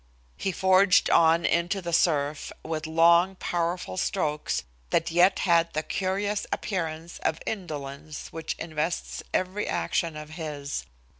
He forged on into the surf, with long, powerful strokes that yet had the curious appearance of indolence which invests every action of his.